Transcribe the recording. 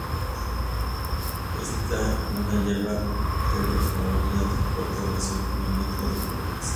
Esta es una hierba perennifolia de corta duración con un metro de caudex.